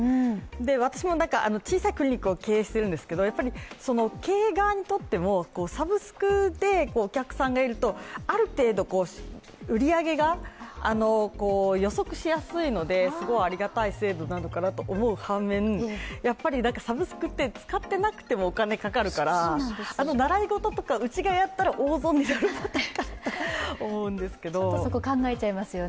私も小さいクリニックを経営しているんですけれども、経営側にとってもサブスクでお客さんがいると、ある程度、売り上げが予測しやすいのですごいありがたい制度なのかなと思う反面、やっぱりサブスクって、使っていなくてもお金がかかるから習い事とか、うちがやったら大損みたいに思うんですけど。